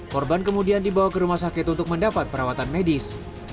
korban kemudian dibawa ke rumah sakit untuk mendapat perawatan medis